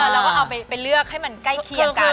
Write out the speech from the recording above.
เราก็เอาไปเลือกให้มันใกล้เคียงกัน